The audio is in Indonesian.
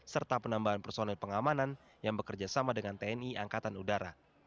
serta penambahan personil pengamanan yang bekerja sama dengan tni angkatan udara